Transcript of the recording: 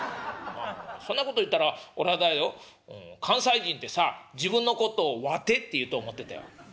もうそんなこと言ったら俺あれだよ関西人ってさ自分のことを『わて』っていうと思ってたよ」。